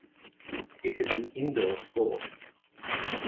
It is an indoor sport.